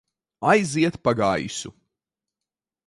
Aiziet pa gaisu!